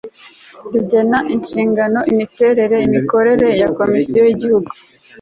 rigena inshingano imiterere n imikorere ya komisiyo y igihugu